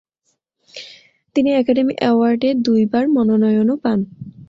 তিনি অ্যাকাডেমি অ্যাওয়ার্ডে দুইবার মনোনয়নও পান।